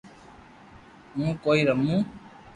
ھون ڪوئي رمو